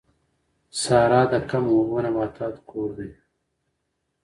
صحرا د کم اوبو نباتاتو کور دی